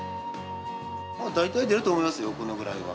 大体出ると思いますよ、このくらいは。